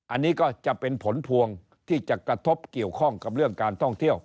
อันนี้ก็จะเป็นผลพวงที่จะกระทบเกี่ยวข้องกับเรื่องการท่องเที่ยว